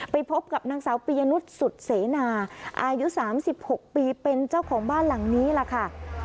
ไปพบกับนางสาวปียนุษย์สุดเสนาอายุ๓๖ปีเป็นเจ้าของบ้านหลังนี้ล่ะค่ะ